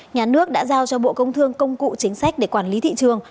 nhà nước đã giao cho bộ công thương công cụ chính sách để quản lý thị trường